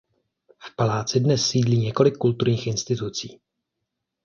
V paláci dnes sídlí několik kulturních institucí.